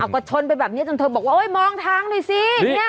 ก็ชนไปแบบนี้จนเธอบอกว่ามองทางหน่อยสิ